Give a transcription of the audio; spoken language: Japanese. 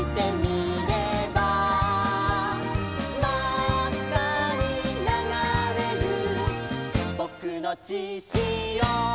「まっかにながれるぼくのちしお」